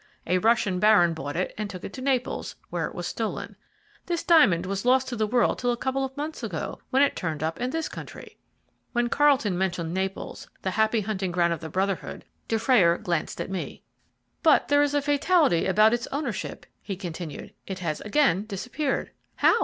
A Russian baron bought it and took it to Naples, where it was stolen. This diamond was lost to the world till a couple of months ago, when it turned up in this country." When Carlton mentioned Naples, the happy hunting ground of the Brotherhood, Dufrayer glanced at me. "But there is a fatality about its ownership," he continued; "it has again disappeared." "How?"